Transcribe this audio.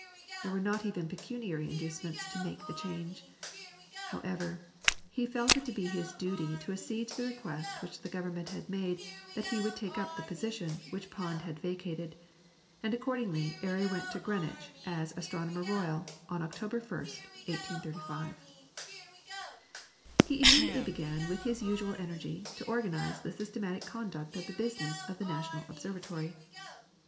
There were not even pecuniary inducements to make the change; however, he felt it to be his duty to accede to the request which the Government had made that he would take up the position which Pond had vacated, and accordingly Airy went to Greenwich as Astronomer Royal on October 1st, 1835. He immediately began with his usual energy to organise the systematic conduct of the business of the National Observatory.